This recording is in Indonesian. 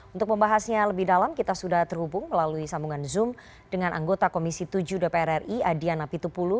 untuk membahasnya lebih dalam kita sudah terhubung melalui sambungan zoom dengan anggota komisi tujuh dpr ri adian apitupulu